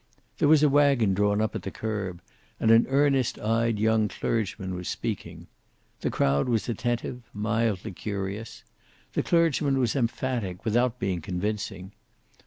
There was a wagon drawn up at the curb, and an earnest eyed young clergyman was speaking. The crowd was attentive, mildly curious. The clergyman was emphatic without being convincing.